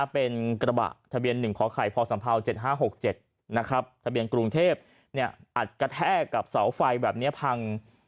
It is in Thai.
เป็นกระบะทะเบียน๑ขอไข่พศ๗๕๖๗ทะเบียนกรุงเทพอัดกระแทกกับเสาไฟแบบนี้พัง